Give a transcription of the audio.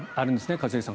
一茂さん。